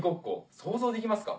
想像できますか？